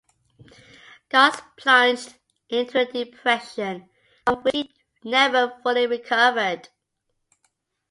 Gauss plunged into a depression from which he never fully recovered.